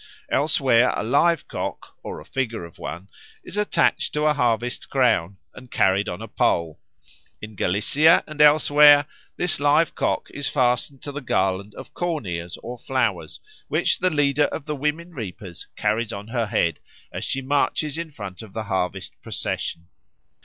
Elsewhere a live cock, or a figure of one, is attached to a harvest crown and carried on a pole. In Galicia and elsewhere this live cock is fastened to the garland of corn ears or flowers, which the leader of the women reapers carries on her head as she marches in front of the harvest procession.